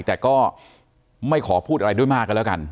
แต่ก็ไม่ขอพูดอะไรด้วยมากกันแล้วกัน